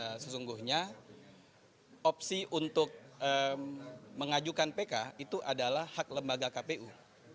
dan sesungguhnya opsi untuk mengajukan pk itu adalah hak lembaga kpu